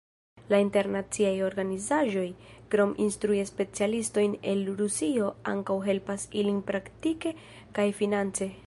La internaciaj organizaĵoj, krom instrui specialistojn el Rusio, ankaŭ helpas ilin praktike kaj finance.